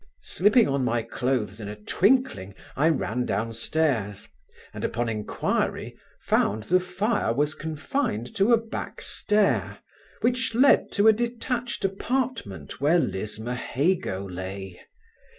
Slipping on my cloaths in a twinkling, I ran down stairs, and, upon enquiry, found the fire was confined to a back stair, which led to a detached apartment where Lismahago lay.